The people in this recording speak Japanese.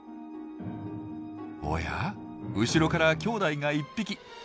おや後ろからきょうだいが１匹。